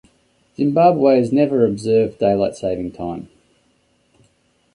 Zimbabwe has never observed daylight saving time.